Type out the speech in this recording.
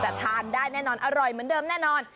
แต่ทานได้แน่นอนอร่อยเหมือนเดิมแน่นอน